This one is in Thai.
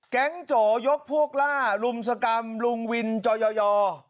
โจยกพวกล่ารุมสกรรมลุงวินจอยอร์